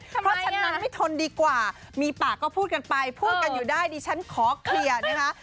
เพราะฉะนั้นไม่ทนดีกว่ามีปากก็พูดกันไปพูดกันอยู่ได้ดิฉันขอเคลียร์นะคะ